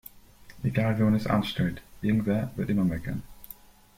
Egal wie man es anstellt, irgendwer wird immer meckern.